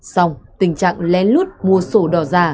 xong tình trạng le lút mua sổ đỏ giả